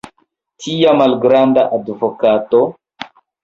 tia malgranda advokato?